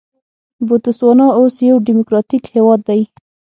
بوتسوانا اوس یو ډیموکراټیک هېواد دی.